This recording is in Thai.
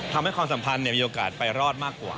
ทำให้ความสัมพันธ์แล้วมีโอกาสไปรอดมากกว่า